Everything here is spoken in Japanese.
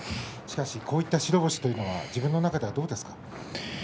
こういった白星というのは自分の中ではどうですか？